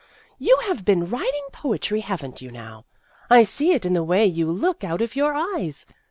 "You have been writing poetry, have n't you, now ? I see it in the way you look out of your eyes.